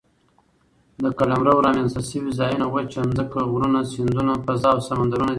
د قلمرو رامنځ ته سوي ځایونه وچه مځکه، غرونه، سیندونه، فضاء او سمندرونه دي.